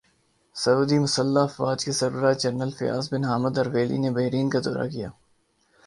سعودی مسلح افواج کے سربراہ general Fayyad bin Hamid Al Ruwaili نے بحرین کا دورہ کیا